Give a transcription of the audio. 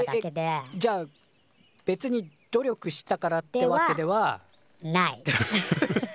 えっえっじゃあべつに努力したからってわけでは。ではない。